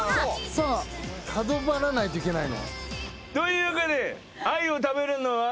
角張らないといけないの。というわけで鮎を食べるのは濱家君！